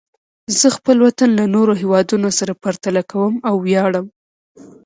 زه خپل وطن له نورو هېوادونو سره پرتله کوم او ویاړم.